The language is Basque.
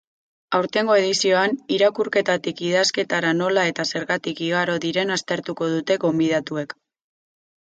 Aurtengo edizioan, irakurketatik idazketara nola eta zergatik igaro diren aztertuko dute gonbidatuek.